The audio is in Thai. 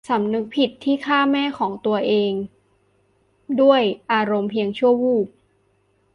สำนึกผิดที่ฆ่าแม่ของตนเองด้วยอารมณ์เพียงชั่ววูบ